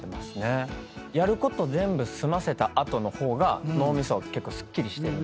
やること全部済ませた後の方が脳みそ結構すっきりしてるんで。